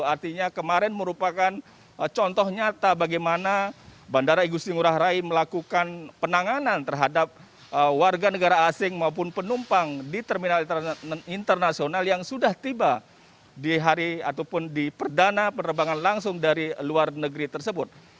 artinya kemarin merupakan contoh nyata bagaimana bandara igusti ngurah rai melakukan penanganan terhadap warga negara asing maupun penumpang di terminal internasional yang sudah tiba di hari ataupun di perdana penerbangan langsung dari luar negeri tersebut